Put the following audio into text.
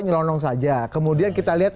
nyelonong saja kemudian kita lihat